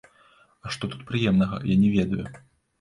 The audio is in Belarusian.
А што тут прыемнага, я не ведаю.